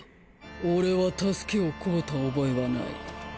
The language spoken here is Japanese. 俺は助けを乞うた覚えはない。